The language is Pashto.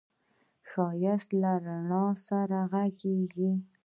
ښایست له رڼا سره غږېږي